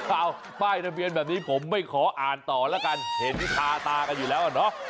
เอ้าป้ายราเบียนแบบนี้ผมไม่ขออ่านต่อแล้วกันเห็นที่ทาตากันอยู่แล้วนะ